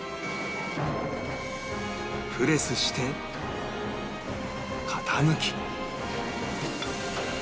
プレスして型抜き